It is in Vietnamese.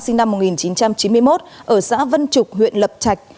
sinh năm một nghìn chín trăm chín mươi một ở xã vân trục huyện lập trạch